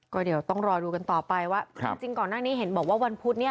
ก็เดี๋ยวต้องรอดูกันต่อไปว่าจริงก่อนหน้านี้เห็นบอกว่าวันพุธนี้